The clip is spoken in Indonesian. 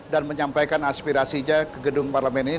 dan menyampaikan aspirasinya ke gedung parlemen ini